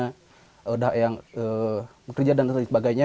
sudah yang bekerja dan lain sebagainya